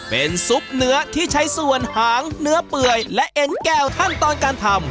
เป็นซุปเนื้อที่ใช้ส่วนหางเนื้อเปื่อยและเอ็นแก้วขั้นตอนการทำ